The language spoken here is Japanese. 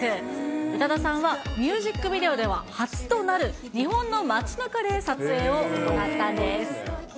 宇多田さんはミュージックビデオでは初となる、日本の街なかで撮影を行ったんです。